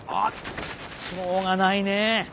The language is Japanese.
しょうがないねえ。